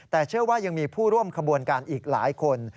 แต่เชื่อว่ายังมีผู้ร่วมขบวนการอีกหลายคน